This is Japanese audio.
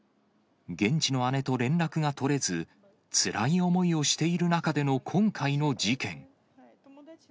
現地の姉と連絡が取れず、つらい思いをしている中での今回の事件。